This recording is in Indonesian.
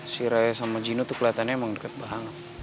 si raya sama gino tuh keliatannya emang deket banget